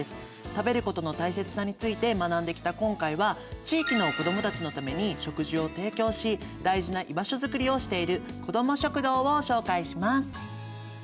食べることの大切さについて学んできた今回は地域の子どもたちのために食事を提供し大事な居場所づくりをしている子ども食堂を紹介します。